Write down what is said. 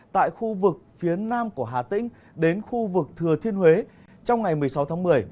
tại khu vực phía nam của hà tĩnh đến khu vực thừa thiên huế trong ngày một mươi sáu tháng một mươi